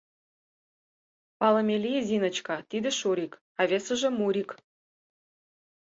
— Палыме лий, Зиночка: тиде — Шурик, а весыже — Мурик.